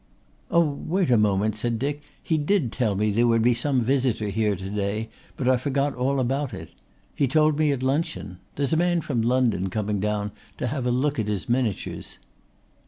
"Oh, wait a moment," said Dick. "He did tell me there would be some visitor here to day but I forgot all about it. He told me at luncheon. There's a man from London coming down to have a look at his miniatures."